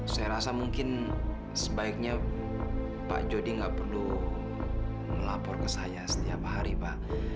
saya rasa mungkin sebaiknya pak jody tidak perlu melapor ke saya setiap hari pak